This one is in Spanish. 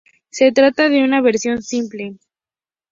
Se trata de una versión simple.